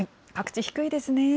各地、低いですね。